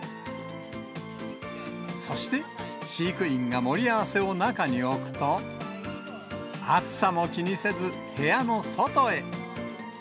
そして、飼育員が盛り合わせを中に置くと、暑さも気にせず、部屋の外へ。